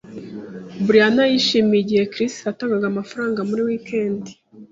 Brian yishimiye igihe Chris yatangaga amafaranga muri wikendi.